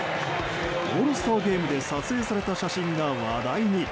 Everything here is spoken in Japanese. オールスターゲームで撮影された写真が話題に。